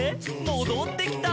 もどってきた」